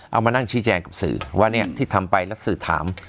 เอามานั่งชี้แจงกับสื่อว่าเนี่ยที่ทำไปแล้วสื่อถาม